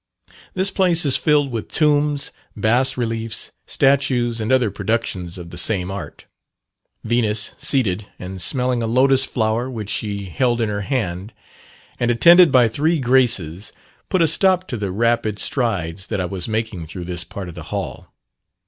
This place is filled with tombs, bas reliefs, statues, and other productions of the same art. Venus, seated, and smelling a lotus flower which she held in her hand, and attended by three graces, put a stop to the rapid strides that I was making through this part of the hall.